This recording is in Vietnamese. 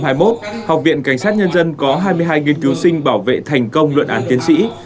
năm hai nghìn hai mươi một học viện cảnh sát nhân dân có hai mươi hai nghiên cứu sinh bảo vệ thành công luận án tiến sĩ